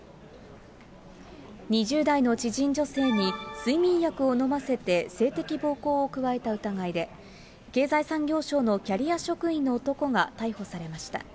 ２０代の知人女性に睡眠薬を飲ませて性的暴行を加えた疑いで経済産業省のキャリア職員の男が逮捕されました。